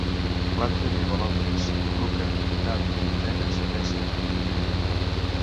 Plante viu a Londres; Lucca, Itàlia, i Atenes, Grècia.